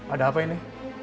ada apa ini